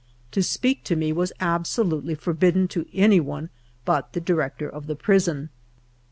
To speak to me was absolutely forbidden to anyone but the Director of the Prison.